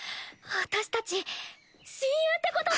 私たち親友ってこと。